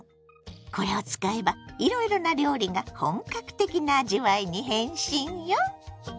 これを使えばいろいろな料理が本格的な味わいに変身よ！